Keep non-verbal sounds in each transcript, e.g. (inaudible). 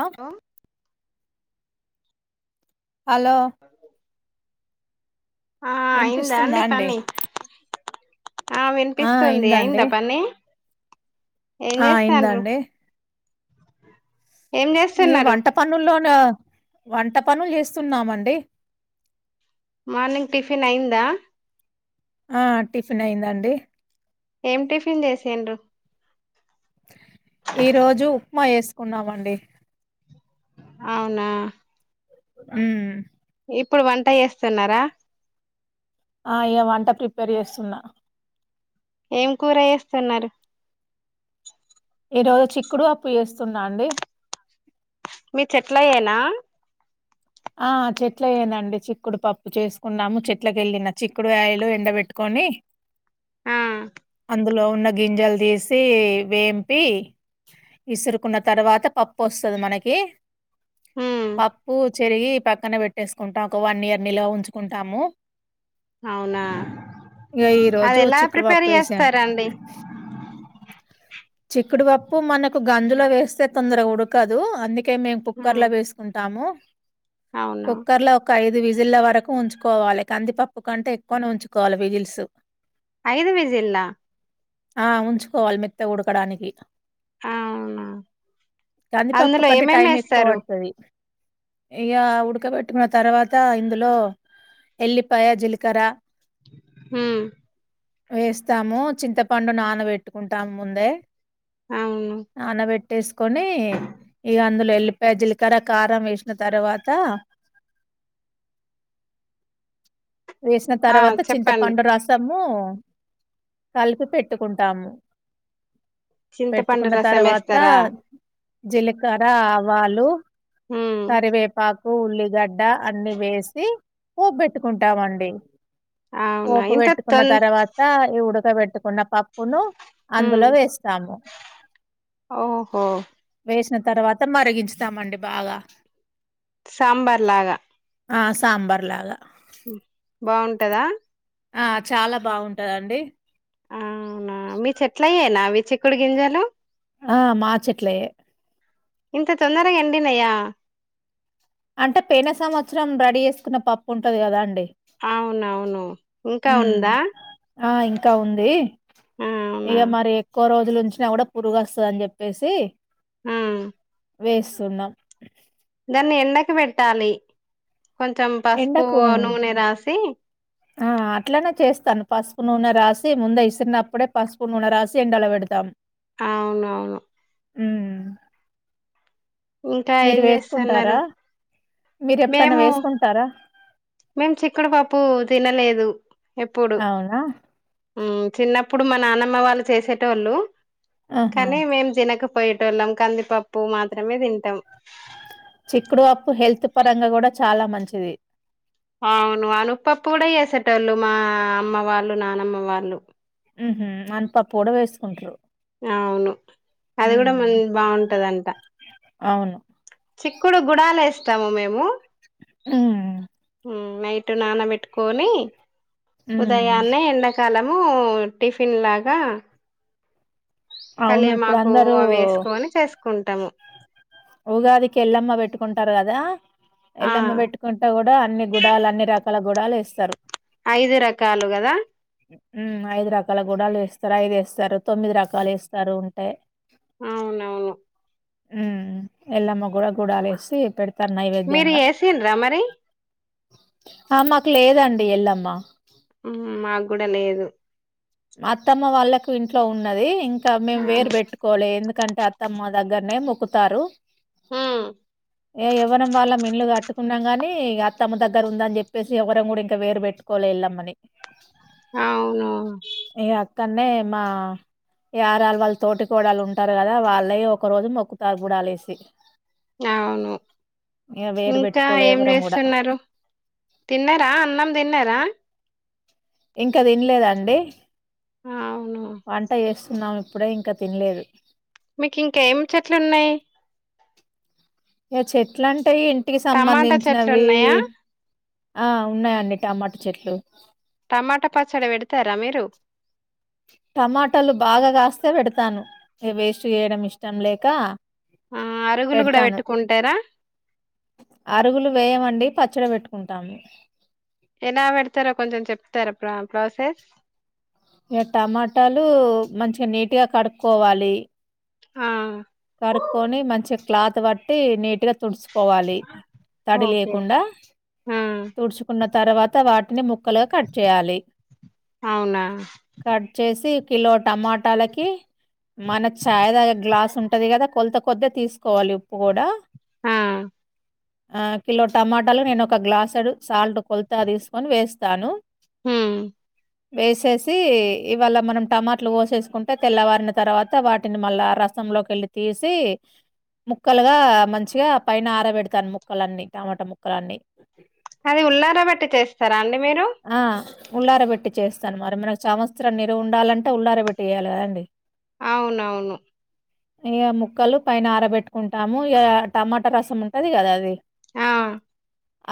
ఆ hello hello ఆ అయిందా అండి పని ఆ వినిపిస్తుంది అయిందా పని ఏం ఆ చేస్తాండ్రు అయిందండి ఏం ఏ చేస్తున్నారు వంట పన్నుల్లోనో వంట పనులు చేస్తున్నామండి మార్నింగ్ టిఫిన్ అయిందా ఆ టిఫిన్ అయిందండి ఏం టిఫిన్ చేసిండ్రు ఈరోజు ఉప్మా చేసుకున్నామండి అవునా ఉ ఇప్పుడు వంట చేస్తున్నారా ఆ అయ్య వంట కి ప్రిపేర్ చేస్తున్నా ఏం కూర చేస్తున్నారు ఇ రోజు చిక్కుడు వప్పు చేస్తున్నా అండి మీ చెట్లయేనా ఆ చెట్ల ఏ నండి చిక్కుడు పప్పు చేసుకున్నాము చెట్లక ఎళ్ళిన చిక్కుడు గాయలు ఎండబెట్టుకొని ఆ అందులో ఉన్న గింజలు తీసి వేంపి ఇసురుకున్న తర్వాత పప్పు వస్తది మనకి ఉమ్ పప్పు ఇయి పక్కన పెట్టేసుకుంటాం ఒక వన్ ఇయర్ నిల్వ ఉంచుకుంటాము అవునా ఇగ ఈ అది రోజు ఎలా చిక్కుడు ప్రిపేర్ పప్పు వేసాను. చేస్తారండి చిక్కుడుపప్పు మనకు గంజులో వేస్తే తొందరగా ఉడకదు అంది ఓకే మేం ఉమ్ కుక్కర్ల వేసుకుంటాము అవునా కుక్కర్ ల ఒక ఐదు విజి జిల్ల వరకు ఉంచుకోవాలి కందిపప్పు కంటే ఎక్కువనే ఉంచుకోవాలి విజిల్సు ఐదు విజిలా ఆ ఉంచుకోవాలి మె తగా ఉడకడానికి అవునా కందిపప్పు అందులో కంటే ఏమేమి టైం ఎక్కువ వేస్తారు పడతది ఇగ ఉడకబెట్టిన్న తర్వాత ఇందులో ఎల్లిపాయ జిలకర్ర ఊ వేస్తాము చింతపండు నానబెట్టుకుంటాం ముందే అవును నానాబెట్ ట్టేసుకొని ఇగ అందులో ఎళ్లిపాయ జీలకర్ర కారం వేసిన తర్వాత వేసిన ఆ తర్వాత చింత చెప్పండి పండు రసము కలిపి పెట్టుకుంటాము చింతపండు రసం ఏస్తరా జిలకర్ర ఆవాలు ఉమ్ కరివేపాకు ఉల్లిగడ్డ అన్ని వేసి పోబెట్టుకుం ట్టామండి అవునా పోపు ఇంత వెట్టుకున్న తొన్ తర్వాత ఇవుడు ట్ల పెట్టుకున్న పప్పును హ్మ్ అందులో వేస్తాము ఓహో వేసిన తర్వాత మరిగించుతామండి బాగా సాంబార్ లాగా ఆ సాంబార్ లాగా బాగుంటదా ఆ చాలా బాగుంటదండి అవునా మీ చెట్ల అయేనా మీ చిక్కుడు గింజల్ ఉ ఆ మాచట్లయే ఇంత తొందరగా ఎండినయ్యా అంటే పెన సంవత్సరం రెడీ చేసుకున్న పప్పు ఉంటది కదా అండి అవునవును ఇంకా హ్మ్ ఉందా ఆ ఇంకా ఉంది ఆ అవునా ఇంగ మరి ఎక్కువ రోజ్ ఇందు నుంచి నా కూడా పురుగు వస్తది అని చెప్పేసి ఆ వేస్సు న్నాం దాన్ని ఎండకి పెట్టాలి కొంచెం పసుపు ఎండకు నూనె రాసి ఆ అట్లనే చేస్తాను పసుపు నూనె రాసి ముందఅయ్ ఇసిరినప్పుడే పసుపు నూనె రాసి ఎండలో పెడతాం అవునవును ఉమ్ ఇంకా మీరు ఏం చేస్తున్నారు వేసుకుంటారా మీరు ఎప్పుడన్నా మేము వేసుకుంటారా మేము చిక్కుడుపప్పు తినలేదు ఎప్పుడు అవునా ఉమ్ చిన్నప్పుడు మా నాన్నమ్మ వాళ్ళు చేసేటో ళ్ళు ఆహా కనీ మేమ్ జినక పోయేటోళ్ళం కందిపప్పు మాత్రమే తింన్ చిక్కుడు పప్పు హెల్త్ పరంగా కూడా చాలా మన్ చిది అవును ఆ అమ్మ వాళ్ళు నానమ్మ వాళ్ళు ఉహు అనపప్పు కూడా వేసుకుంట్రూ అవును అది కూడా మన్ బాగుంటదంట అవును చిక్కుడు గుడాలేస్తాము మేము ఉమ్ ఉమ్ నైటు నాన వెట్టుకో ని హ్మ్ ఉదయాన్నే ఎండకాల మో టిఫిన్ లాగా అవును ఇప్పుడు కళ్యామాకు అందరూ అవి వేసుకొని చేస్ కుంటాము ఉగాదికి ఎళ్ల్లమ్మ పెట్టుకుంటారు కదా ఆ ఎల్లమ్మ పెట్టుకుంటా కూడా అన్ని గుడాల అన్ని రక్ క్ల గుడాలు వేస్తారు ఐదు రకాలు కదా ఉ ఐదు రకాల గూడలు వేస్తారు ఐదు వేస్తారు తొమ్మిది రకాలు వేస్తారు ఉంటే అవునవును ఉ ఎల్లమ్మ కూడా గుడాలేసి పెడు మీరు ఎసిండ్ర మరి ఆ మాకు లేదండి ఎళ్ళమ్మా మాకు కూడా లేదు అత్తమ్మ వాళ్ళకు ఇంట్లో ఉన్నది ఇంకా మేము ఆ, వేరు పెట్టుకోవాలేంది కంట అత్తమ్మ దగ్గరనే మొక్కుతారు ఉ ఏ ఎవరం వాళ్ళ మిల్లుగా కట్టుకున్నాం కాని అత్తమ్మ దగ్గర ఉందని చెప్పేసి ఎవరం కూడా ఇంకా వేరు పెట్టుకోలే వెళ్ళమని అవును ఈ అక్కనే మా ఏరాల వాళ్ళ తోటి కోడలు ఉంటారు కదా వాళ్ళ ఒక రోజు మొక్కుతో పడాలేసి అవును వేరు ఇంకా పెట్టుకోలే ఏం ఎవరం కూడా చేస్తున్నారు తిన్నారా అన్నం తిన్నారా ఇంకా తినలేదండి అవును న్నాం ఇప్పుడే ఇంకా తినలేదు మీకి ఇంక ఏం చెట్లు ఉన్నాయి ఈ చెట్లన్ అంటె ఇంటికి టమాటా చెట్లు సంబంధించినవి ఉన్నాయా ఆ ఉన్నాయండి టమాట చెట్లు టమాట పచ్చడి పెడతారా మీరు టమాటాలు బాగా కాస్తే పెడతాను ఈ వేస్ట్ చేయడం ఇష్టం లేక ఆ అరుగులు కూడా పెడతాను పెట్టుకుంటారా అరుగులు వేయమండి పచ్చడి పెట్టుకుంటాము ఎలా పెడతారో కొంచం చెప్తారా ప్రా ప్రాసెస్ ఇక టమాటాలు మంచిగా నీట్ గా కడుక్కోవాలి ఆ కడుక్కొని మంచి క్లాత్ పట్టి నీట్ గ తుడుచుకోవాలి తడి ఓకే లేకుండా ఆ తుడుచుకున్న తర్వాత వాటి (unintelligible) ముక్కలు కట్ చేయాలి అవునా కట్ చేసి కిలో టమాటాలకి మన చాయ్ తాగే గ్లాస్ ఉ ఉంటది కదా కొలత కొద్దే తీసుకోవాలి ఉప్పు కూడా ఆ ఆ కిలో టమాటాలు నేను ఒక గ్లాసడు సాల్ట్ కొలతగ తీసుకొని వేస్తాను హు వేసేసి ఇవాళ మనం టమాట్లు కోసేసుకుంటే తెల్లవారిన తరవాత వాటిని మళ్ళా రసంలోకెళ్ళి తీసి ముక్కలుగా మంచిగా పైన ఆరబెడతాను ముక్కలన్నీ టమాటా ముక్కలన్నీ అది ఉల్లార బట్టి చేస్తారా అండి మీరు ఆ ఉల్లారబెట్టి చేస్తాను మరి మనకు సంవత్సరం నిలవ ఉండాలంటే ఉల్లారబెట్టి చెయ్యాలి కదండి అవునవును ఈ ముక్కలు పైన ఆరబెట్టుకుంటాము ఇ టమాటా రసం ఉంటది కదా అది ఆ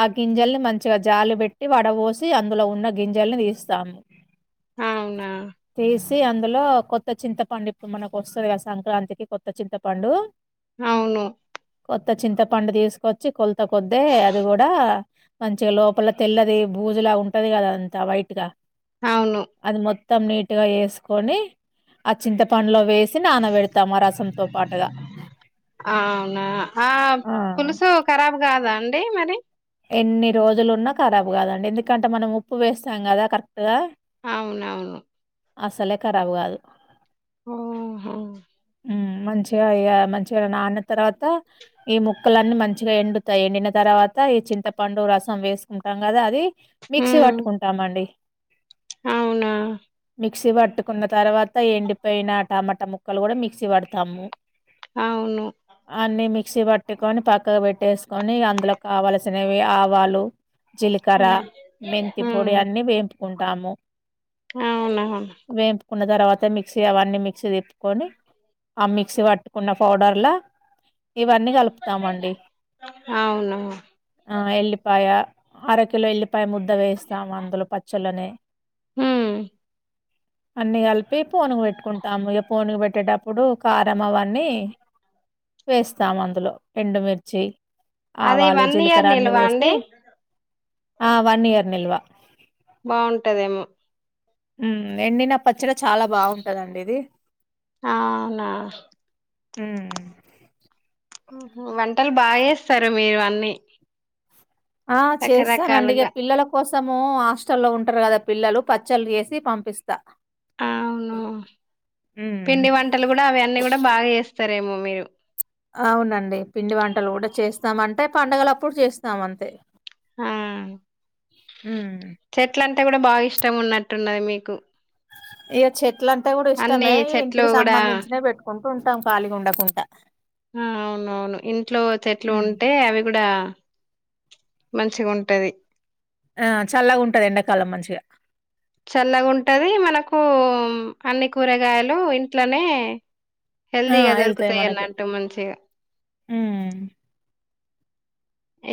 ఆ గింజల్ని మంచిగా జాలు పెట్టి వడ పోసి అందులో ఉన్న గింజల్ని తీస్తాము అవునా తీసి అందులో కొత్త చింతపండు ఇప్పుడు మనకు వస్తది కదా సంక్రాంతికి కొత్త చింతపండు అవును కొత్త చింతపండు తీసుకొచ్చి కొ కొద్దే అది కూడా మంచిగా లోపల తెల్లది బూజులా ఉంటది కదా అంతా వైట్ గా అవును మొత్తం నీట్ గా వేసుకొని ఆ చింతపండులో వేసి నానబెడతాం ఆ రసంతో పాటుగా. ఆ అవునా ఆ పులుసు కరాబ్ కాదాండి అంటే మరి ఎన్ని రోజులున్నా రాబ్ కాదండి ఎందుకంటే మనం ఉప్పు వేస్తాం కదా కరెక్ట్గా అవునవును అసలే ఖరాబ్ కాదు ఆఓ మంచిగా ఇగా మంచిగా నాన్న తర్వాత ఈ ముక్కలన్నీ మంచిగా ఎండుతాయి ఎండిన తర్వాత చింతపండు రసం వేసుకుంటాం కదా అది మిక్సీ హ్మ్. పట్టుకుంటామండి అవునా మిక్సీ పట్టుకున్న తరవాత ఎండిపోయిన టమాటా ముక్కలు కూడా మిక్సీ పడతాము అవును క్సీ పట్టుకొని పక్కకు పెట్టేసుకొని అందులో కావాల సినవి ఆవాలు జీలకర హ్మ్. మెంతి హ్మ్. పొడి అన్నీ వేంపు కుంటాము అవునవును కున్న తర్వాత మిక్సీ అవన్నీ మిక్సీ తిప్పుకొని ఆ మిక్సీ పట్టుకున్న పౌడర్లా ఇవన్నీ కలుపుతామండి అవును. ఆ ఎల్లిపాయ అర కిలో ఎల్లి పై ముద్ద వేస్తాం అందులో పచ్చళ్లనే హూ అన్ని కలిపి పోనుకు పెట్టుకుంటాము ఇగ పోనుకు పెట్టేటప్ ప్పుడు కారం అవన్నీ వేస్తాం అందులో ఎండుమిర్చి అది ఆవాలు ఇయర్ జిలకర్ర అన్ని నిల్వా వేసి అండి? అ అవన్నీ నిల్వ బాగుంటదేమో మ్మ్ ఎండిన పచ్చడి చాలా బాగుంటదండి ఇది అవునా హ్మ్మ్ వంటలు బాగా చేస్తారు మీరు అన్నీ ఆ చేస్తానండి ఇక రకరకాలుగా. పిల్లల కోసం మొత్తము హాస్టల్లో ఉంటారు కదా పిల్లలు పచ్చళ్లు చేసి పంపిస్తా అవును హ్మ్. పిండి వంటలు గుడా అవ అన్నీ గుడా బాగా చేస్తారేమో మీరు అవునండి పిండి వంటలు గుడా చేస్తామ అంటే పండగలప్పుడు చేస్తాం అంతే ఆ! హ్మ్మ్ టే కూడ బాగా ఇష్టం ఉన్నట్టున్నది మీకు ఇగ చె ట్లంటే కూడా అన్నీ ఇష్టమే ఈ చెట్లు ఇంటికి గూడా సంబంధించిన పెట్టుకుంట కుంటాం కాలిగుండకుండ ఆ అవునవును ఇంట్లో చెట్లు హ్మ్. ఉంటే అవి కూడా మంచిగుంటది ఆ చల్లగుంటది ఎండాకాలం మంచిగా చల్లగుంటది మనకు అన్ని కూరగాయలు ఇంట్లోనే ఆ! హెల్దీగా ఎళ్తాయి దొరకుతాయన్న మనకి. అంటే మంచిగా హ్మ్.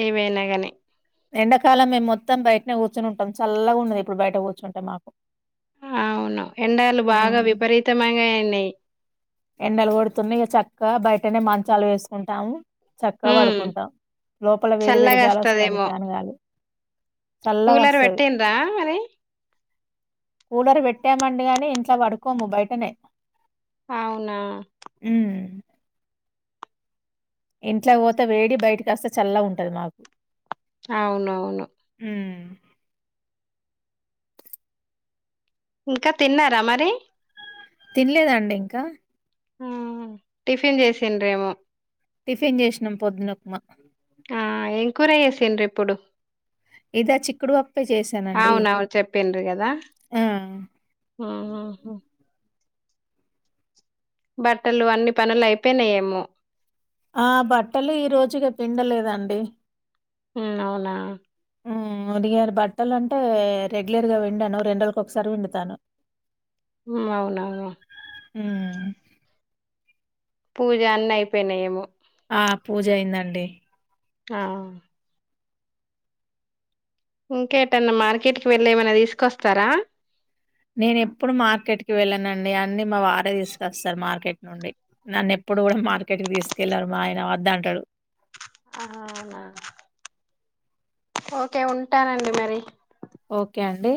ఏవైనా కాని ఎండాకాలం మేము మొత్తం బయటనే కూర్చుని ఉంటాం చల్లగా ఉన్నది ఇప్పుడు బయట కూర్చుంటే మాకు ఆ అవును ఎండలు బాగా హ్మ్. విపరీతమైనయి అయినయి ఎండలు కొడుతున్నా ఇక చక్కగా బయటనే మంచాలు వేసుకుంటాము చక్కగా ఉమ్ పడుకుంటాం లోపల వేడి వేడి చల్లగా గాలి వస్తాంది వస్తదేమో ఫ్యాన్ గాలి చల్లగా కూలర్ వస్తది పెట్టిండ్ర మరి కూలర్ పెట్టామండి గాని ఇంట్లో పడుకోము బయటనే అవునా ఉమ్ ఇంట్లో పోతే వేడి బయటకస్తే చల్లగుంటది మాకు అవునవును ఉమ్ ఇంకా తిన్నారా మరి తినలేదండి ఇంకా ఆ టిఫిన్ చేసిండ్రేమో టిఫిన్ చేసినాం పొద్దునుప్మా ఆ, ఏం కూర చేసిన్రు ఇప్పుడు? ఇదా, చిక్కుడుపప్పే చేశానండి. అవునవును చెప్పిండ్రు కదా ఆ ఉహుహు బట్టలు అన్నీ పనులూ అయిపోయినాయేమో? ఆ, బట్టలు ఈరోజు ఇగ పిండలేదండి. ఊహూ, అవునా? డిగారు బట్టలు అంటే రెగ్యులర్ గా విండాను. రెండ్రోజుల ఒకసారి విండుతాను. మ్మ్.. అవునవునా? మ్మ్ పూజ అన్నీ అయిపోయినాయేమో? ఆ, పూజ అయిందండి. ఆ ఇంకేటన్నా మార్కెట్‌కి వెళ్లి? మల్లే ఏమైనా తీసుకొస్తారా? నేను ఎప్పుడు మార్కెట్ కి వెళ్ళానండి. అన్ని మా వారే తీసుకొస్తరు. మార్కెట్ నుండి నన్ను ఎప్పుడు కూడా మార్కెట్ కి తీసుకెళ్ళారు, మా ఆయన వద్దంటడు. అవునా! ఓకే, ఉంటానండి మరి. ఓకే, అండి.